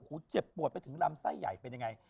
เจ็บปวดไปถึงลำไส้ใหญ่เป็นยังไง